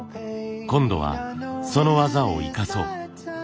今度はその技を生かそう。